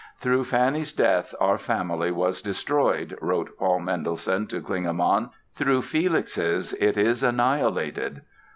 "Through Fanny's death our family was destroyed", wrote Paul Mendelssohn to Klingemann; "through Felix's, it is annihilated"!